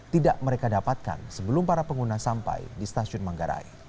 tidak mereka dapatkan sebelum para pengguna sampai di stasiun manggarai